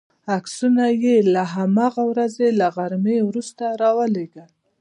عکسونه یې د هماغې ورځې له غرمې وروسته را ولېږل.